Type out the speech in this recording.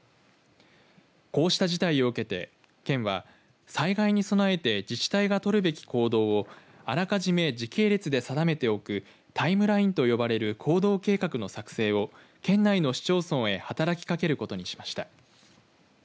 こうした事態を受けて県は災害に備えて自治体が取るべき行動をあらかじめ時系列で定めておくタイムラインと呼ばれる行動計画の作成を県内の市町村へ働きかけることにしました。